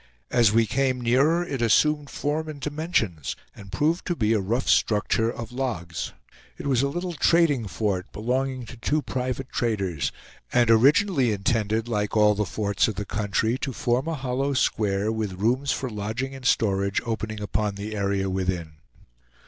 As we came nearer, it assumed form and dimensions, and proved to be a rough structure of logs. It was a little trading fort, belonging to two private traders; and originally intended, like all the forts of the country, to form a hollow square, with rooms for lodging and storage opening upon the area within.